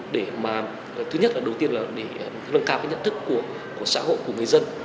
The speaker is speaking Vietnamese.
để mà thứ nhất là đầu tiên là để nâng cao cái nhận thức của xã hội của người dân